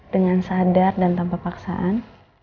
dengan sadar dan tanpa paksaan